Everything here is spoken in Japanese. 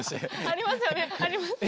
ありますよねありますよね。